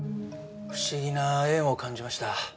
不思議な縁を感じました。